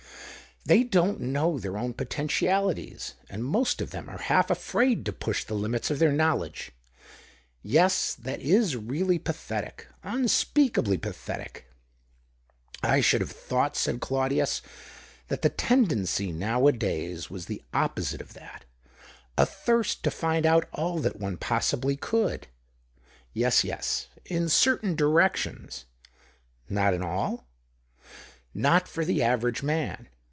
" They don't know their own potentialities. .Vnd most of them are half afraid to push the limits of their knowledge. Yes, that is really pathetic — unspeakably pathetic." "I should have thought," said Claudius, " that the tendency nowadays was the oppo site of that — a thirst to find out all that one possibly could." "Yes, yes — in certain directions." " Not in all ?"" Not for the average man.